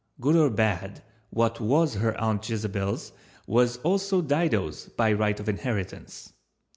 Good or bad, what was her Aunt Jezebel's was also Dido's by right of inheritance.